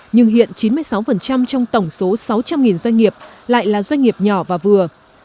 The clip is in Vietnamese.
nhưng hiện chín mươi sáu trong tổng số sáu trăm linh doanh nghiệp lại là doanh nghiệp nhỏ và vừa